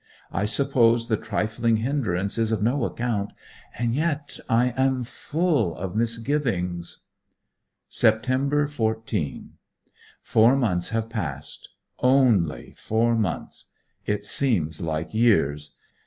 I suppose the trifling hindrance is of no account; and yet I am full of misgivings ... Sept. 14. Four months have passed; only four months! It seems like years.